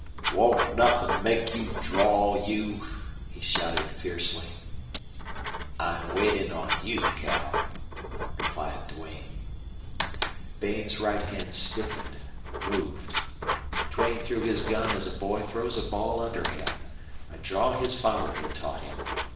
"Won't nothin' make you draw, you !" he shouted, fiercely. "I'm waitin' on you, Cal," replied Duane. Bain's right hand stiffened moved. Duane threw his gun as a boy throws a ball underhand a draw his father had taught him.